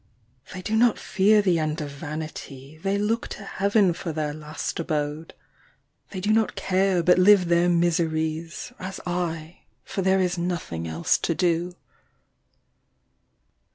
They do not fear the end of vanity, they look to heaven for their last abode ; 56 Myself in the City. They do not care, but live their miseries, as I, for there is nothing else to do.